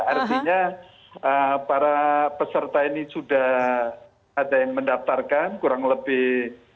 artinya para peserta ini sudah ada yang mendaftarkan kurang lebih